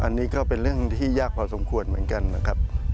อันนี้ก็เป็นเรื่องที่ยากพอสมควรเหมือนกันนะครับ